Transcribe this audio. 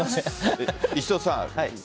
石戸さん